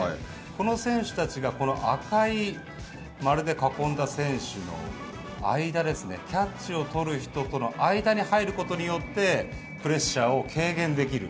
この選手たちが、この赤い丸で囲んだ選手の間ですね、キャッチをとる人との間に入ることによって、プレッシャーを軽減できる。